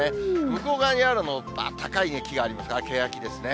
向こう側にあるの、高い木がありますが、ケヤキですね。